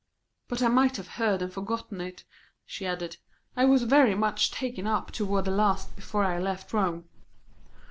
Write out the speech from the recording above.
"But I might have heard and forgotten it," she added. "I was very much taken up toward the last before I left Rome."